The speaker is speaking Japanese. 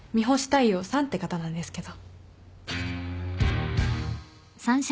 大陽さんって方なんですけど。